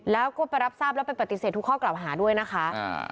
แล้วก็ไปรับทราบแล้วไปปฏิเสธทุกข้อกล่าวหาด้วยนะคะ